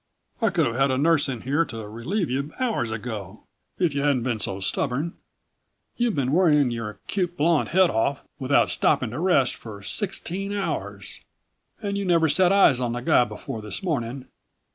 I could have had a nurse in here to relieve you hours ago if you hadn't been so stubborn. You've been worrying your cute blonde head off without stopping to rest for sixteen hours, and you never set eyes on the guy before this morning.